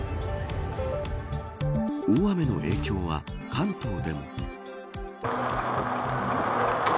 大雨の影響は関東でも。